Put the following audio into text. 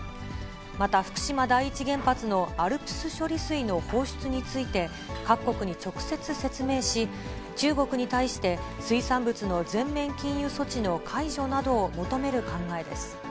また福島第一原発のＡＬＰＳ処理水の放出について、各国に直接説明し、中国に対して水産物の全面禁輸措置の解除などを求める考えです。